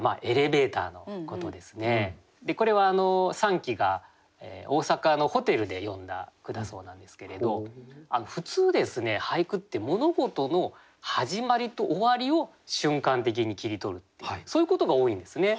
これは三鬼が大阪のホテルで詠んだ句だそうなんですけれど普通ですね俳句って物事の始まりと終わりを瞬間的に切り取るっていうそういうことが多いんですね。